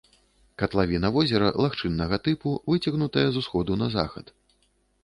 Катлавіна возера лагчыннага тыпу, выцягнутая з усходу на захад.